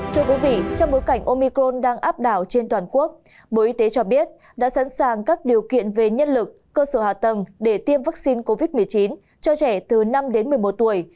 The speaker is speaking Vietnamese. thưa quý vị trong bối cảnh omicron đang áp đảo trên toàn quốc bộ y tế cho biết đã sẵn sàng các điều kiện về nhân lực cơ sở hạ tầng để tiêm vaccine covid một mươi chín cho trẻ từ năm đến một mươi một tuổi